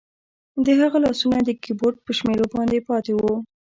د هغه لاسونه د کیبورډ په شمیرو باندې پاتې وو